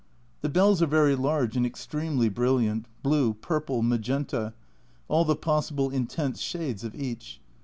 The bells are very large and extremely brilliant, blue, purple, magenta, all the possible intense shades of each.